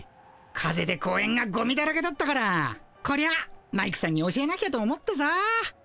風で公園がゴミだらけだったからこりゃマイクさんに教えなきゃと思ってさ。